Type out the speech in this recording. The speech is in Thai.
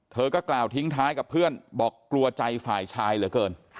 เธอก็กล่าวทิ้งท้ายกับเพื่อนบอกกลัวใจฝ่ายชายเหลือเกิน